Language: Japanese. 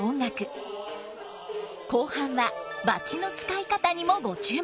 後半は撥の使い方にもご注目！